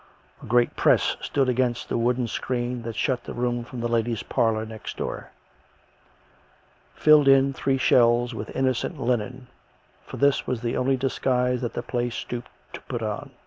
A great press stood against the wooden screen that shut the room from the ladies' parlour next door; filled in three shelves with innocent linen, for this was the only disguise that the place stooped to put on.